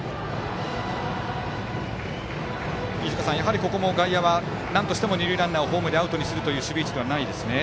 飯塚さん、やはりここも外野はなんとしても二塁ランナーをアウトにするという守備位置ではないですね。